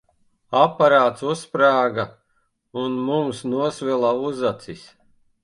Aparāts uzsprāga, un mums nosvila uzacis.